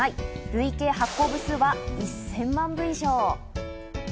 累計発行部数は１０００万部以上。